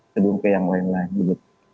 sebelum ke yang lain lain gitu